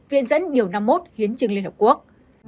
viện dẫn điều năm mươi một hiến trương liên hợp quốc